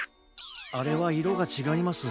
あれはいろがちがいます。